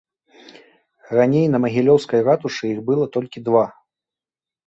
Раней на магілёўскай ратушы іх было толькі два.